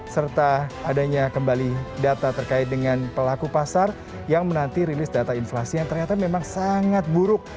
serta adanya kembali data terkait dengan pelaku pasar yang menanti rilis data inflasi yang ternyata memang sangat buruk